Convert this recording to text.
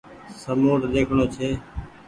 سمونڌ ۮيکڻو ڇي